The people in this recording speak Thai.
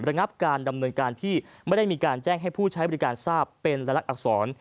ระงับการดำเนินการที่ไม่ได้มีการแจ้งให้ผู้ใช้บริการทราบเป็นละลักษร